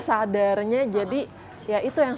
sadarnya jadi ya itu yang